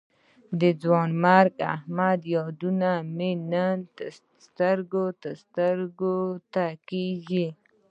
د ځوانمرګ احمد یادونه مې نن سترګو سترګو ته کېږي.